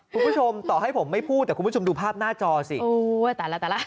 คุณผู้ชมต่อให้ผมไม่พูดแต่คุณผู้ชมดูภาพหน้าจอสิแต่ละแต่ละ